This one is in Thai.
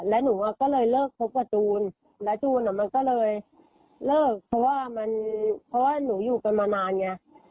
และหนูก็เลยเลิกคบกับจูนและจูนมันก็เลยเลิกเพราะว่าหนูอยู่กันมานานไง